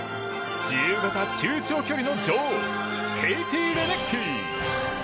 自由形、中長距離の女王ケイティ・レデッキー。